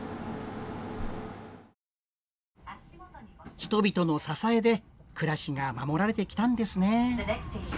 人々の支えで暮らしが守られてきたんですね。